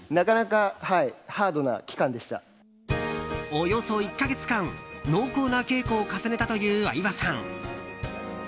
およそ１か月間濃厚な稽古を重ねたという相葉さん。